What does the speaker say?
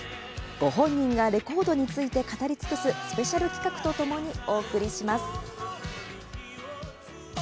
ご本人が、レコードについて語り尽くすスペシャル企画とともにお送りします。